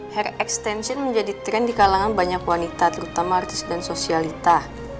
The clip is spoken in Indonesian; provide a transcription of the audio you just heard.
hair extension menjadi tren di kalangan banyak wanita terutama artis dan sosialita